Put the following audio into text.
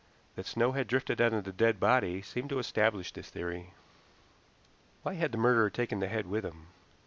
That snow had drifted on to the dead body seemed to establish this theory. Why had the murderer taken the head with him?